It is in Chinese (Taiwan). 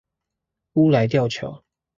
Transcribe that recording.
烏來吊橋